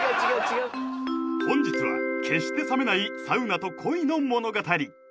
本日は決して冷めないサウナと恋の物語